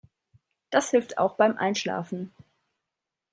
Das hilft auch beim Einschlafen.